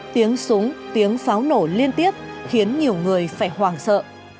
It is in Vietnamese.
tiếng súng tiếng pháo nổ liên tiếp khiến nhiều người phải hoàng sợ